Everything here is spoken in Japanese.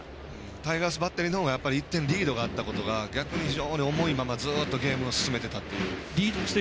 タイガースバッテリーの方が１点リードがあったのが逆に非常に重いまま、ずっとゲームを進めてたっていう。